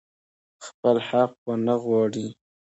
خپل حق ونه غواړي.